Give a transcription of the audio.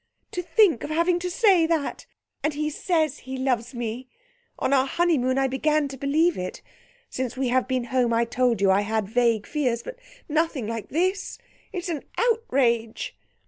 "To think of having to say that! And he says he loves me! On our honeymoon I began to believe it. Since we have been home I told you I had vague fears, but nothing like this. It's an outrage."